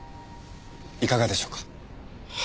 いかがでしょうか？